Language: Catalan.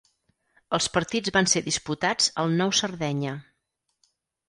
Els partits van ser disputats al Nou Sardenya.